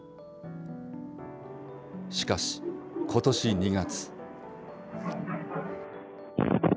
しかし、ことし２月。